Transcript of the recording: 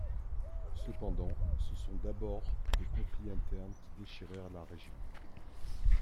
Cependant, ce sont d'abord des conflits internes qui déchirèrent la région.